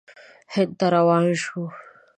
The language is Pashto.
هند ته روان شو.